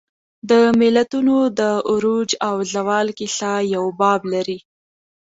د ملتونو د عروج او زوال کیسه یو باب لري.